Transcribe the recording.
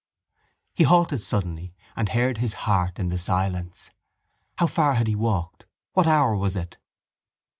He halted suddenly and heard his heart in the silence. How far had he walked? What hour was it?